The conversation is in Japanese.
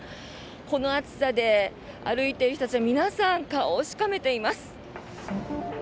この暑さで歩いている人たちは皆さん、顔をしかめています。